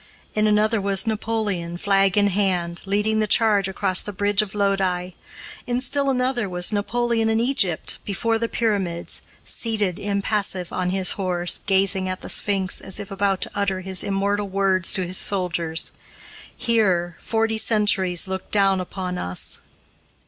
In another was Napoleon, flag in hand, leading the charge across the bridge of Lodi. In still another was Napoleon in Egypt, before the Pyramids, seated, impassive, on his horse, gazing at the Sphinx, as if about to utter his immortal words to his soldiers: "Here, forty centuries look down upon us."